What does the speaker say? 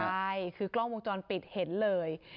ใช่คือกล้องวงจรปิดเห็นเลย